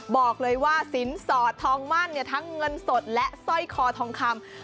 บอกเลยว่าสินสอดทองมั่นทั้งเงินสดและสร้อยคอทองคำ